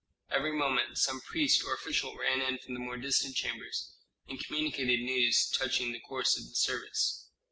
Every moment some priest or official ran in from the more distant chambers and communicated news touching the course of the service.